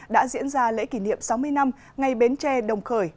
đã diễn ra lễ kỷ niệm sáu mươi năm ngày bến tre đồng khởi